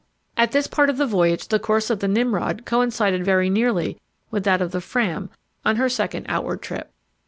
At this part of the voyage the course of the Nimrod coincided very nearly with that of the Fram on her second outward trip.